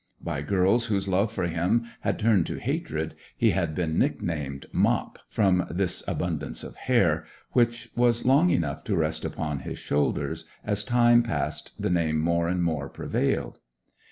By girls whose love for him had turned to hatred he had been nicknamed 'Mop,' from this abundance of hair, which was long enough to rest upon his shoulders; as time passed the name more and more prevailed.